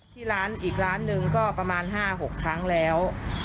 ที่ร้านอีกร้านหนึ่งก็ประมาณ๕๖ครั้งแล้ว